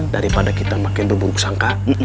daripada kita makin berburuk sangka